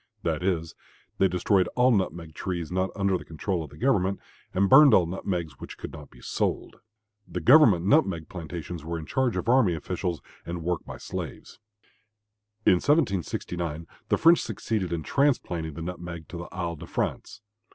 That is, they destroyed all nutmeg trees not under the control of the government and burned all nutmegs which could not be sold. The government nutmeg plantations were in charge of army officials and worked by slaves. In 1769 the French succeeded in transplanting the nutmeg to the Isle de France.